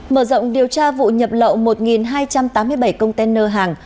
mở rộng điều tra vụ nhập lậu một hai trăm tám mươi bảy container hàng